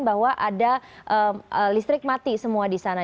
bahwa ada listrik mati semua di sana